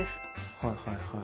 はいはいはい。